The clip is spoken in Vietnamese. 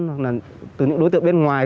hoặc là từ những đối tượng bên ngoài